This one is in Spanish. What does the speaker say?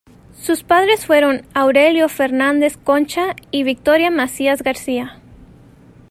Sus padres fueron Aurelio Fernández Concha y Victoria Masías García.